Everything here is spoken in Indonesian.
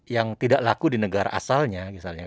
yang tidak laku di negara asalnya